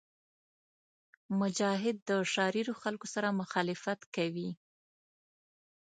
مجاهد د شریرو خلکو سره مخالفت کوي.